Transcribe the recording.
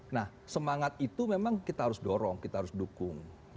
nah semangat itu memang kita harus dorong kita harus dukung